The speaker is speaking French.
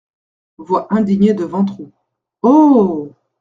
Voix indignée de Ventroux .— Oh !